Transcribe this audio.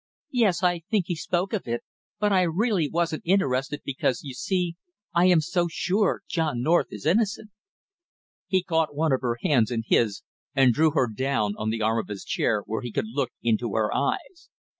"Yes, I think he spoke of it, but I really wasn't interested because you see I am so sure John North is innocent!" He caught one of her hands in his and drew her down on the arm of his chair where he could look into her eyes.